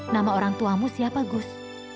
nama orang tuamu siapa gus